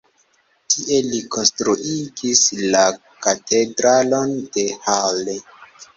Tie li konstruigis la Katedralon de Halle.